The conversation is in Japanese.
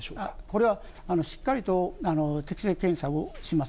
これは、しっかりと適性検査をします。